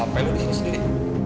apaan lu disini sendiri